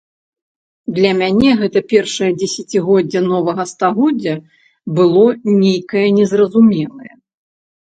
Для мяне гэта першае дзесяцігоддзе новага стагоддзя было нейкае незразумелае.